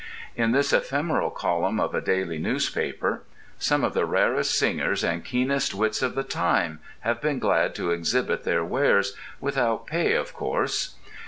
In this ephemeral column of a daily newspaper some of the rarest singers and keenest wits of the time have been glad to exhibit their wares, without pay of course.